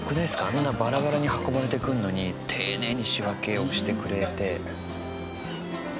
あんなバラバラに運ばれてくるのに丁寧に仕分けをしてくれて。